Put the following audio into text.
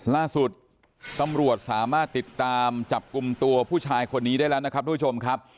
ล่าสุดตำรวจสามารถติดตามจับกลุ่มตัวผู้ชายคนนี้ได้แล้วนะครับทุกผู้ชมครับ